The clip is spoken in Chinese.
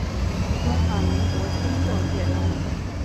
中华民国军政界人物。